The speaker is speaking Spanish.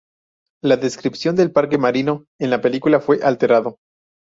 La descripción del parque marino en la película fue alterado.